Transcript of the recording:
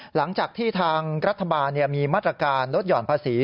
หลังจากที่ทางรัฐบาลมีมาตรการลดห่อนภาษี